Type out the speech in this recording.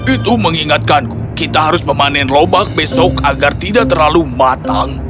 itu mengingatkanku kita harus memanen lobak besok agar tidak terlalu matang